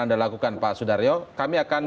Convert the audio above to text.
anda lakukan pak sudaryo kami akan